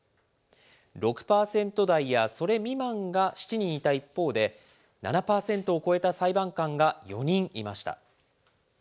６％台やそれ未満が７人いた一方で、７％を超えた裁判官が４人いました。